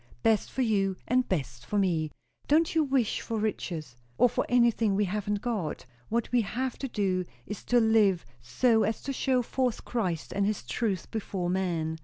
Best for you and best for me. Don't you wish for riches! or for anything we haven't got. What we have to do, is to live so as to show forth Christ and his truth before men."